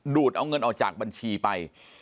ดเอาเงินออกจากบัญชีไป